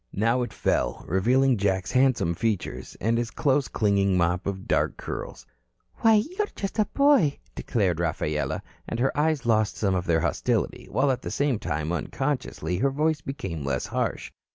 Now it fell, revealing Jack's handsome features and his close clinging mop of dark curls. "Why, you are just a boy," declared Rafaela, and her eyes lost some of their hostility while at the same time, unconsciously, her voice became less harsh.